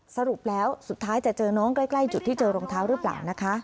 สรุปแล้วสุดท้ายจะเจอน้องใกล้จุดที่เจอรองเท้าหรือเปล่านะคะ